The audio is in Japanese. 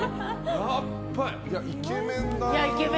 イケメンだな。